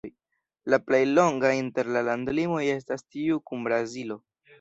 La plej longa inter la landlimoj estas tiu kun Brazilo.